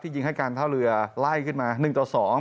ยิงให้การท่าเรือไล่ขึ้นมา๑ต่อ๒